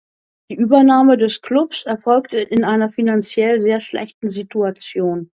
Die Übernahme des Klubs erfolgte in einer finanziell sehr schlechten Situation.